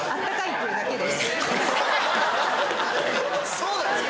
そうなんですか？